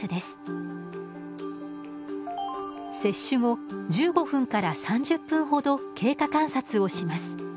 接種後１５分から３０分ほど経過観察をします。